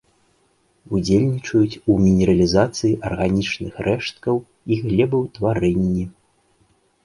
Удзельнічаюць у мінералізацыі арганічных рэшткаў і глебаўтварэнні.